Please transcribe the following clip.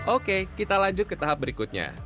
oke kita lanjut ke tahap berikutnya